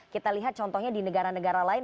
kita lihat contohnya di negara negara lain